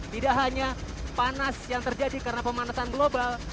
tidak hanya panas yang terjadi karena pemanasan global